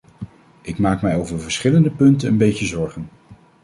Ik maak mij over verschillende punten een beetje zorgen.